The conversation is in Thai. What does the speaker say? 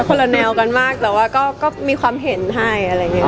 คนละแนวกันมากแต่ว่าก็มีความเห็นให้